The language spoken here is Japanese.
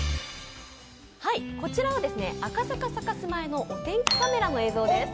こちらは赤坂サカス前のお天気カメラの映像です。